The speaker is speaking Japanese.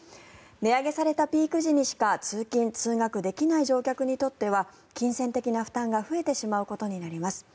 値上げされたピーク時にしか通勤・通学できない乗客にとっては金銭的な負担が増えてしまうことになります。